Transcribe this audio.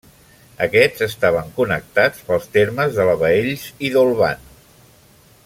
Aquests estaven connectats pels termes de la Baells i d'Olvan.